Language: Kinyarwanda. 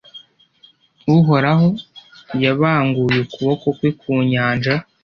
Uhoraho yabanguye ukuboko kwe ku nyanja,